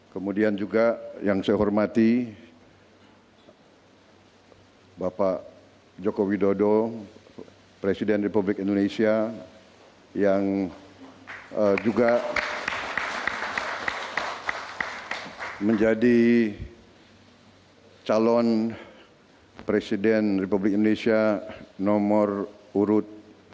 kemudian juga yang saya hormati bapak joko widodo presiden republik indonesia yang juga menjadi calon presiden republik indonesia nomor urut satu